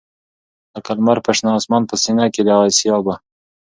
لکه لــــمــر پر شــــنه آســــمـــان په ســــینـه کـــي د آســــــــــیا به